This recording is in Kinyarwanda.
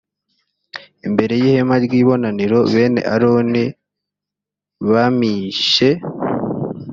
imbere y ihema ry ibonaniro bene aroni bamishe